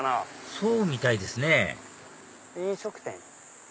そうみたいですね飲食店。